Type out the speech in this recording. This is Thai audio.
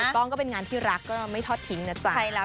ก็เป็นงานที่รักก็ไม่ทอดทิ้งนะจ๊ะ